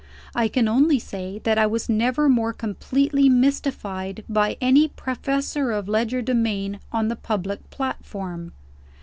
I can only say that I never was more completely mystified by any professor of legerdemain on the public platform.